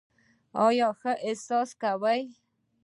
آیا ښه احساس کوې؟